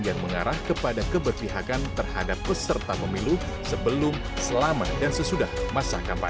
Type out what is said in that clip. yang mengarah kepada keberpihakan terhadap peserta pemilu sebelum selama dan sesudah masa kampanye